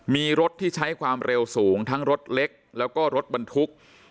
มีรถที่ใช้ความเร็วสูงทั้งรถเล็กแล้วก็รถบรรทุก